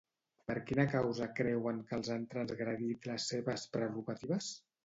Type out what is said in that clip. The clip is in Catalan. Per quina causa creuen que els han transgredit les seves prerrogatives?